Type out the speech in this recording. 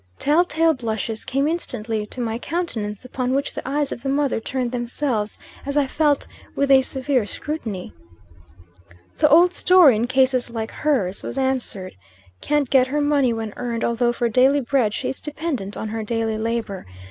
"Tell tale blushes came instantly to my countenance, upon which the eyes of the mother turned themselves, as I felt, with a severe scrutiny. "'The old story in cases like hers,' was answered. 'Can't get her money when earned, although, for daily bread, she is dependent on her daily labor.